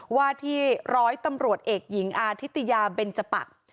ว่าที่ร้อยตำรวจเอกหญิงอาทิตยาเบนจปัก